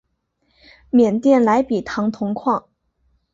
缅甸莱比塘铜矿。